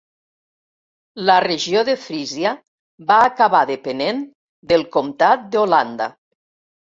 La regió de Frísia va acabar depenent del comtat d'Holanda.